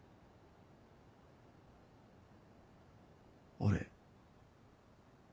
俺。